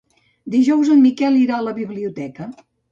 Dijous en Miquel irà a la biblioteca.